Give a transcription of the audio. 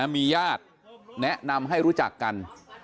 มีญาติแนะนำให้รู้จักกัน